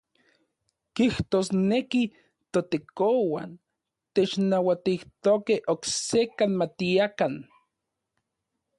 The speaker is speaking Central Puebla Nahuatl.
Kijtosneki ToTekouan technauatijtokej oksekan matiakan.